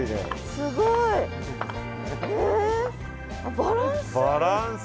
すごい。へえバランス。